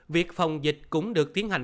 việc phòng dịch cũng được tiến hành